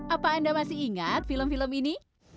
apa anda masih ingat film film ini